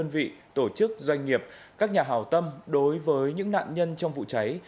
vị tổ chức doanh nghiệp các nhà hào tâm đối với những nạn nhân trong vụ cháy